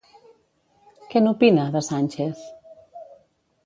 Què n'opina, de Sánchez?